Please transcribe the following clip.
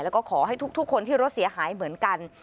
แล้วก็ขอให้ทุกคนที่รถเสียหายเหมือนกัน